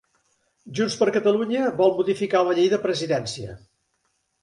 Junts per Catalunya vol modificar la llei de presidència